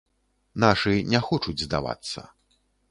Нашы не хочуць здавацца.